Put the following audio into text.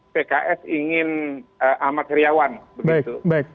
dekat pks ingin ahmad heryawan begitu